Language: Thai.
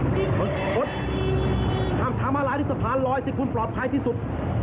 กล่ามทางมาลายนสะพานรอยสิควรปลอดภัยที่สุด